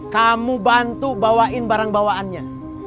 kamu bantu bawain barang bawaannya